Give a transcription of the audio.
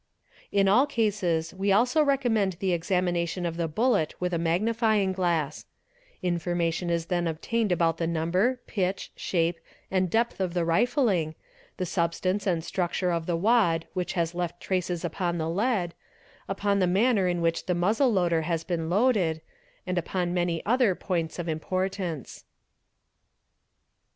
In all cases we also recommed the examination of the bullet with a magnifying glass ; information is then obtained about the number, pitch, shape, and depth of the rifling, the substance and structure of the wad which has left traces upon the lead, upon the manner in which a muzzle loader has been loaded, and upon many other points of importance.